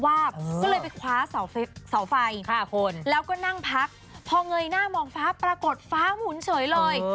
ก็เลยไปคว้าเสาไฟแล้วก็นั่งพักพอเงยหน้ามองฟ้าปรากฏฟ้าหมุนเฉยเลย